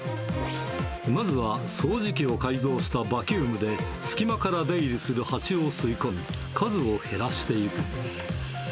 まずは掃除機を改造したバキュームで、隙間から出入りするハチを吸い込み、数を減らしていく。